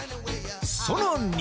さらに！